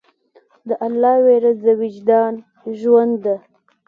د الله ویره د وجدان ژوند ده.